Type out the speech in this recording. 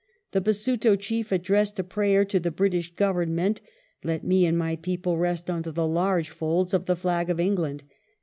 The Basuto Chief addressed a prayer to the British Government :" Let me and my people rest under the large folds of the flag of England